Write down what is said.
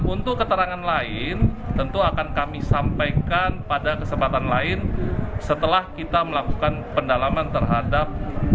untuk keterangan lain tentu akan kami sampaikan pada kesempatan lain setelah kita melakukan pendalaman terhadap